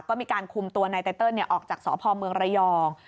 ก็มีการคุมตัวนายไตเติลออกจากสพเมืองระยอง